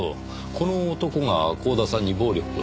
この男が光田さんに暴力を？